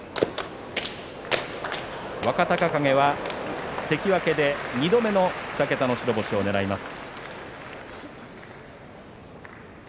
若隆景は関脇で２度目の２桁の白星をねらいます。